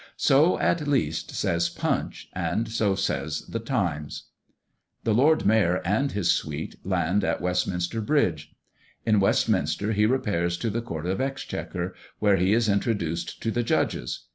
So, at least, says Punch, and so says the Times. The Lord Mayor and his suite land at Westminster Bridge. In Westminster he repairs to the Court of Exchequer, where he is introduced to the Judges.